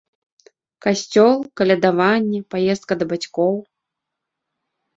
Касцёл, калядаванне, паездка да бацькоў.